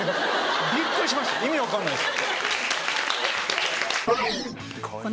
びっくりしました意味分かんないです。